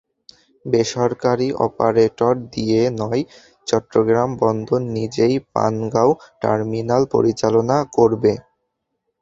বেসরকারি অপারেটর দিয়ে নয়, চট্টগ্রাম বন্দর নিজেই পানগাঁও টার্মিনাল পরিচালনা করবে।